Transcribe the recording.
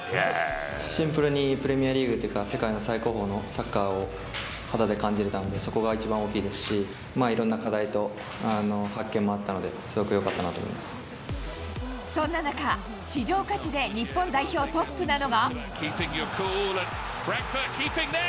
シンプルに、プレミアリーグというか、世界の最高峰のサッカーを肌で感じれたので、そこが一番大きいですし、いろんな課題と発見もあったので、すごくよかっそんな中、市場価値で日本代表トップなのが。